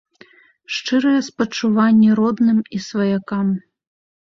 Шчырыя спачуванні родным і сваякам.